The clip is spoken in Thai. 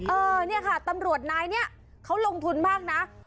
เออเนี่ยค่ะตำรวจนายนี้เขาลงทุนมากนะ